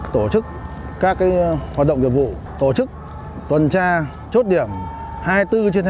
tổ chức các hoạt động vụ tổ chức tuần tra chốt điểm hai mươi bốn trên hai mươi bốn